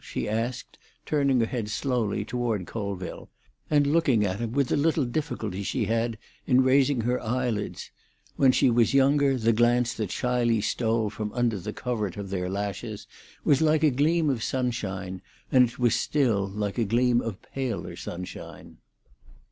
she asked, turning her head slowly toward Colville, and looking at him with a little difficulty she had in raising her eyelids; when she was younger the glance that shyly stole from under the covert of their lashes was like a gleam of sunshine, and it was still like a gleam of paler sunshine.